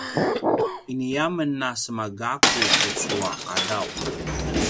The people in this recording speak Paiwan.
ini a men a sema gaku tucu a qadaw